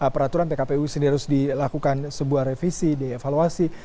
peraturan pkpu sendiri harus dilakukan sebuah revisi dievaluasi